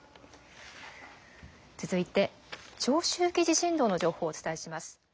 続いて、長周期地震動の情報をお伝えします。